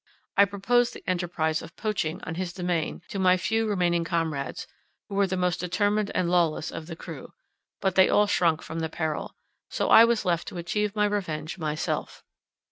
I proposed the enterprize of poaching on his demesne to my few remaining comrades, who were the most determined and lawless of the crew; but they all shrunk from the peril; so I was left to achieve my revenge myself.